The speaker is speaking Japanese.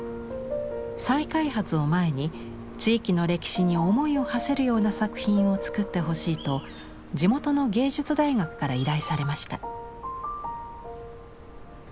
再開発を前に地域の歴史に思いをはせるような作品を作ってほしいと地元の芸術大学から依頼されました。